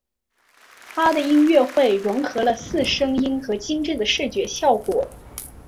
他的音乐会融合了四声音和精致的视觉效果。